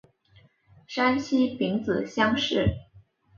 山西丙子乡试。